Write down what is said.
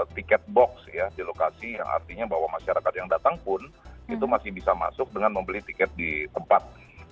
tiket box ya di lokasi yang artinya bahwa masyarakat yang datang pun itu masih bisa masuk dengan membeli tiket di tempat